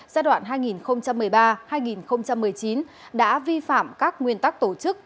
giai đoạn hai nghìn một mươi ba hai nghìn một mươi chín đã vi phạm các nguyên tắc tổ chức